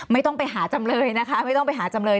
ไม่ต้องไปหาจำเลยนะคะไม่ต้องไปหาจำเลย